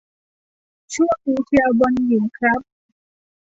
ช่วงนี้เชียร์บอลหญิงครับ